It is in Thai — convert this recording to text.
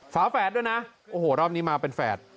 ฝาแฝดด้วยนะโอ้โหรอบนี้มาเป็นแฝด